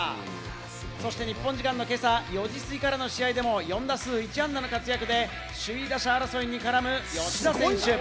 そして日本時間の今朝４時過ぎからの試合でも４打数１安打の活躍で首位打者争いに絡む吉田選手。